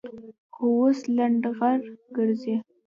خو اوس لنډغر گرځي.